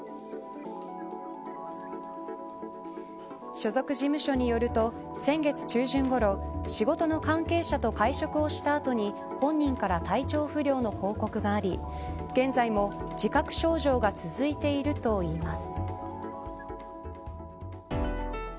所属事務所によると先月中旬ごろ仕事の関係者と会食をした後に本人から体調不良の報告があり現在も自覚症状が続いているといいます。